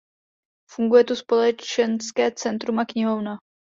Funguje tu společenské centrum a knihovna.